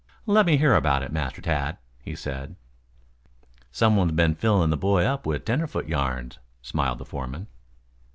"Let me hear all about it, Master Tad," he said. "Somebody's been filling the boy up with tenderfoot yarns," smiled the foreman.